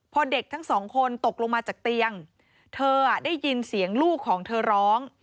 พอเด็กทั้งสองคนตกลงมาจากเตียงเธอได้ยินเสียงลูกของเธอร้อง